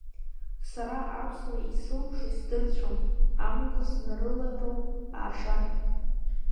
Сара аԥсуареи исылымшои сдырцәом, амҩақәа снарылароуп аашар.